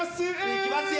いきますよ